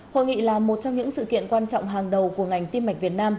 hội nghị là một trong những sự kiện quan trọng hàng đầu của ngành tiêm mạch việt nam